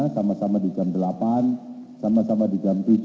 sama sama di jam delapan sama sama di jam tujuh